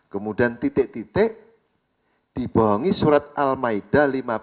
kemudian titik titik dibohongi surat al maida lima puluh